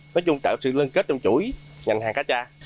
nói chung là sự liên kết trong chuỗi ngành hàng cá tra